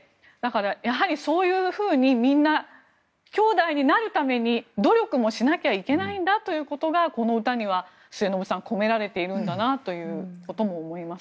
やはりそういうふうにみんなきょうだいになるために努力もしないといけないんだということがこの歌には末延さん、込められているんだなということも思います。